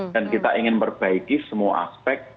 dan kita ingin memperbaiki semua aspek